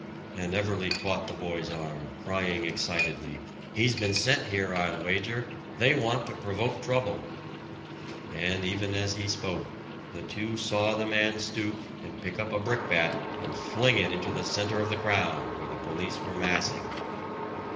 And Everley caught the boy's arm, crying excitedly, "He's been sent here, I'll wager! They want to provoke trouble!" And even as he spoke, the two saw the man stoop, and pick up a brick bat, and fling it into the center of the crowd, where the police were massing.